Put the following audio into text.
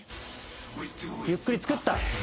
ゆっくり作った。